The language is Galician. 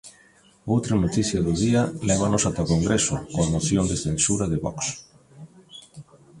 Outra noticia do día lévanos ata o Congreso, coa moción de censura de Vox.